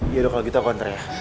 iya dong kalau gitu aku antar ya